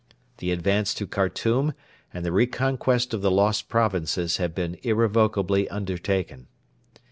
The advance to Khartoum and the reconquest of the lost provinces had been irrevocably undertaken.